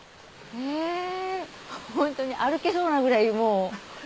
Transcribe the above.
へぇホントに歩けそうなぐらいもう。